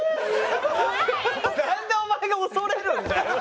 なんでお前が恐れるんだよ！